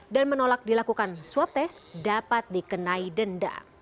menolak dilakukan swab test dapat dikenai denda